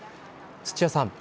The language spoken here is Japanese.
土屋さん。